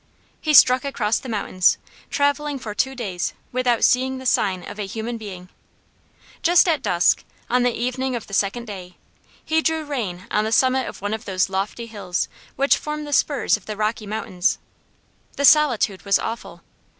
He struck across the mountains, traveling for two days without seeing the sign of a human being. Just at dusk, on the evening of the second day, he drew rein on the summit of one of those lofty hills which form the spurs of the Rocky Mountains. The solitude was awful.